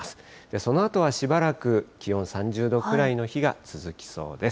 そのあとはしばらく気温３０度ぐらいの日が続きそうです。